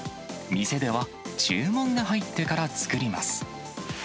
店では、注文が入ってから作ります。